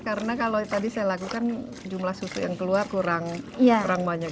karena kalau tadi saya lakukan jumlah susu yang keluar kurang banyak